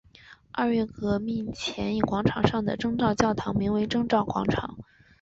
二月革命前以广场上的征兆教堂名为征兆广场。